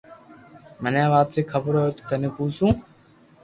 مني اي وات ري خبر ھوئي تو تني پوسو